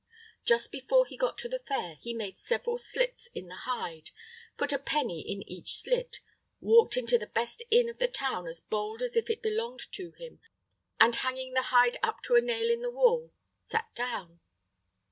Just before he got to the fair, he made several slits in the hide, put a penny in each slit, walked into the best inn of the town as bold as if it belonged to him, and, hanging the hide up to a nail in the wall, sat down.